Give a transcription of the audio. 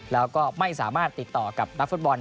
แล้วก็ไม่สามารถติดต่อกับนักฟุตบอล